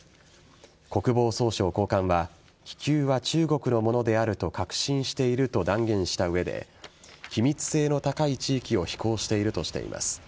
国防総省高官は気球は中国のものであると確信していると断言した上で機密性の高い地域を飛行しているとしています。